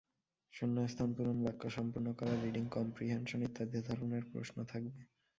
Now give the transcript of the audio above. শূন্যস্থান পূরণ, বাক্য সম্পূর্ণ করা, রিডিং কমপ্রিহেনশন ইত্যাদি ধরনের প্রশ্ন থাকবে।